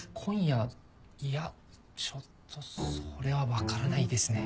いやちょっとそれは分からないですね。